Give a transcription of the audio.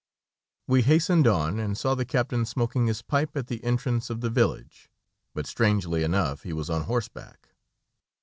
We hastened on, and saw the captain smoking his pipe at the entrance of the village, but strangely enough he was on horseback.